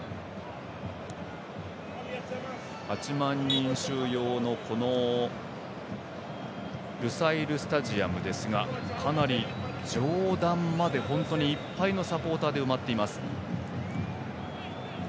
８万人収容のルサイルスタジアムですがかなり、上段まで本当にいっぱいのサポーターで埋まっています。